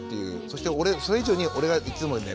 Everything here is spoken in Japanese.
そして俺それ以上に俺がいつも眠いっていう。